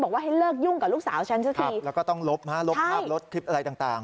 บอกว่าให้เลิกยุ่งกับลูกสาวฉันสักทีแล้วก็ต้องลบฮะลบภาพลบคลิปอะไรต่าง